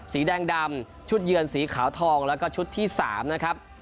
สีแดงดำชุดเยือนสีขาวทองแล้วก็ชุดที่๓นะครับ